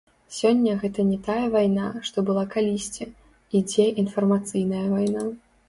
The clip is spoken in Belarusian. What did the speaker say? Сёння гэта не тая вайна, што была калісьці, ідзе інфармацыйная вайна.